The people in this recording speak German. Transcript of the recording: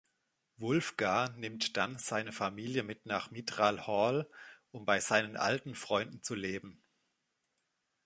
Wulfgar nimmt dann seine Familie mit nach Mithral Hall, um bei seinen alten Freunden zu leben.